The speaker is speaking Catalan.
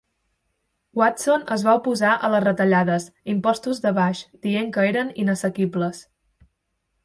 Watson es va oposar a les retallades 'impostos de Bush, dient que eren inassequibles.